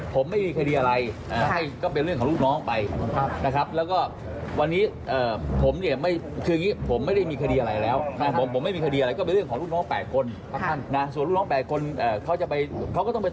ผมไม่ได้มีคดีอะไรแล้วผมไม่มีคดีอะไรก็เป็นเรื่องของรุ่นน้องแปดคน